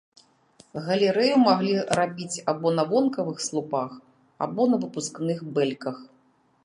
Галерэю маглі рабіць або на вонкавых слупах, або на выпускных бэльках.